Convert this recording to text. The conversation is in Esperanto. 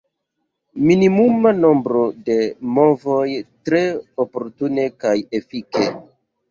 Minimuma nombro de movoj – tre oportune kaj efike.